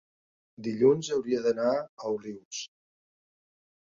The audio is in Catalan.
dilluns hauria d'anar a Olius.